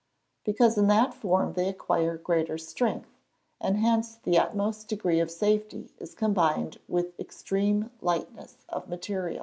_ Because in that form they acquire greater strength, and hence the utmost degree of safety is combined with extreme lightness of material.